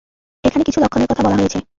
এখানে কিছু লক্ষণের কথা বলা হয়েছে!